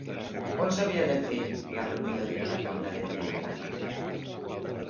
On s'havia de fer la reunió de la taula de diàleg?